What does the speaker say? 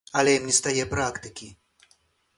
Але ім нестае практыкі.